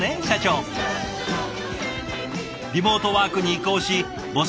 リモートワークに移行しボス